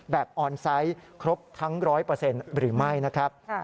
ออนไซต์ครบทั้ง๑๐๐หรือไม่นะครับ